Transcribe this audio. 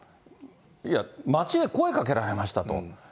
いや、街で声かけられましたと。